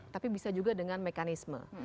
tapi bisa juga dengan mekanisme